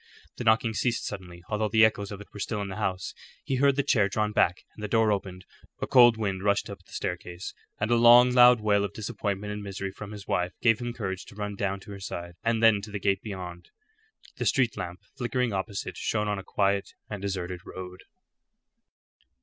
The knocking ceased suddenly, although the echoes of it were still in the house. He heard the chair drawn back, and the door opened. A cold wind rushed up the staircase, and a long loud wail of disappointment and misery from his wife gave him courage to run down to her side, and then to the gate beyond. The street lamp flickering opposite shone on a quiet and deserted road.